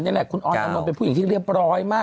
นี่แหละคุณออนอนอานนท์เป็นผู้หญิงที่เรียบร้อยมาก